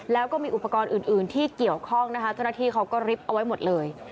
แล้วก็มีอุปกรณ์อื่นที่เกี่ยวข้องนะคะเจ้าหน้าที่เขาก็ริบเอาไว้หมดเลย